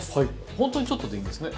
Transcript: ほんとにちょっとでいいんですね。